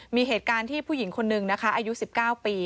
มีเหตุการณ์ที่ผู้หญิงคนนึงนะคะอายุ๑๙ปี